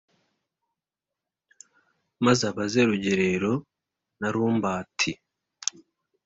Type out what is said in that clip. Muzabaze Rugerero na Rumbati.